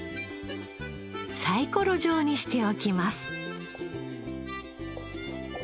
サイコロ状にしておきます。